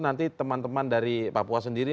nanti teman teman dari papua sendiri